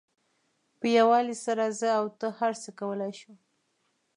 په یووالي سره زه او ته هر څه کولای شو.